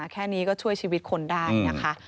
แค่หนีก็ช่วยชีวิตคนได้